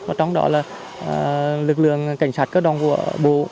và trong đó là lực lượng cảnh sát cơ động của bộ